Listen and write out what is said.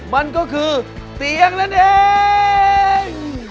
มันก็คือเตียงนั่นเอง